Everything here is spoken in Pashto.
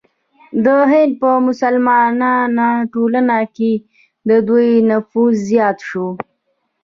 د هند په مسلمانه ټولنه کې د دوی نفوذ زیات شو.